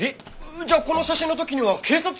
じゃあこの写真の時には警察官が来てたんだ？